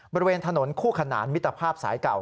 บริเวณถนนคู่ขนานมิตรภาพสายเก่า